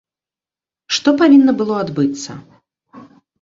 Што павінна было адбыцца?